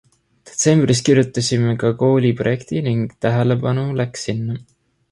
Detsembris kirjutasime ka kooli projekti ning tähelepanu läks sinna.